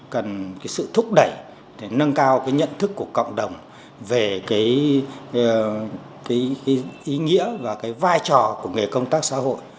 cần cái sự thúc đẩy để nâng cao cái nhận thức của cộng đồng về cái ý nghĩa và cái vai trò của nghề công tác xã hội